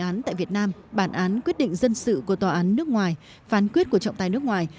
án tại việt nam bản án quyết định dân sự của tòa án nước ngoài phán quyết của trọng tài nước ngoài